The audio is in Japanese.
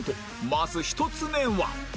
まず１つ目は